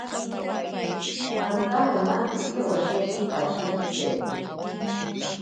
Anta nonampiki osheki pashikipe.